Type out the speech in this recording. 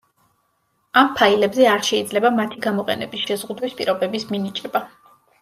ამ ფაილებზე არ შეიძლება მათი გამოყენების შეზღუდვის პირობების მინიჭება.